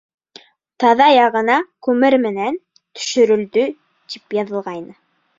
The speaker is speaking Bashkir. Таҙа яғына күмер менән: «Төшөрөлдө» тип яҙылғайны.